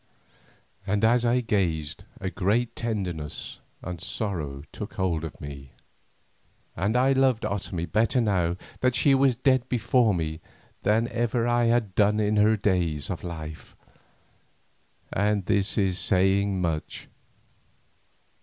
And as I gazed a great tenderness and sorrow took hold of me, and I loved Otomie better now that she was dead before me than ever I had done in her life days, and this is saying much.